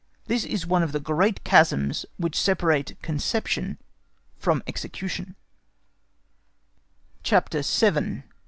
This is one of the great chasms which separate conception from execution. CHAPTER VII.